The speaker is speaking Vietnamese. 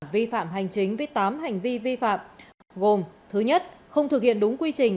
vi phạm hành chính với tám hành vi vi phạm gồm thứ nhất không thực hiện đúng quy trình